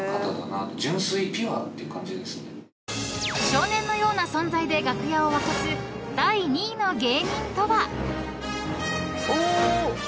［少年のような存在で楽屋を沸かす第２位の芸人とは］